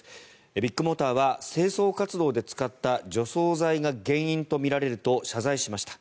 ビッグモーターは清掃活動で使った除草剤が原因とみられると謝罪しました。